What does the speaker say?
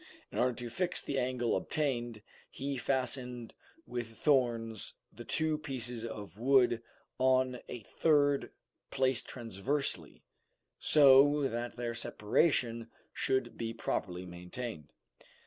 In order to fix the angle obtained, he fastened with thorns the two pieces of wood on a third placed transversely, so that their separation should be properly maintained.